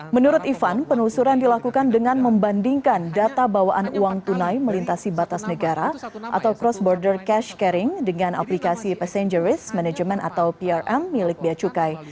menurut ivan penelusuran dilakukan dengan membandingkan data bawaan uang tunai melintasi batas negara atau cross border cash caring dengan aplikasi passenger risk management atau prm milik beacukai